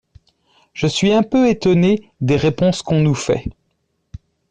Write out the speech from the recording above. Je suis un peu étonné des réponses qu’on nous fait.